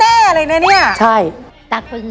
แล้ววันนี้ผมมีสิ่งหนึ่งนะครับเป็นตัวแทนกำลังใจจากผมเล็กน้อยครับ